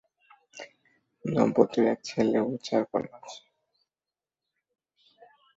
দম্পতির এক ছেলে ও চার কন্যা আছে।